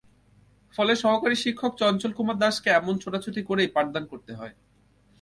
ফলে সহকারী শিক্ষক চঞ্চল কুমার দাসকে এমন ছোটাছুটি করেই পাঠদান করতে হয়।